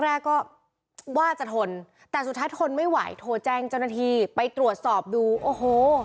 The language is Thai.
แรกก็ว่าจะทนแต่สุดท้ายทนไม่ไหวโทรแจ้งเจ้าหน้าที่ไปตรวจสอบดูโอ้โห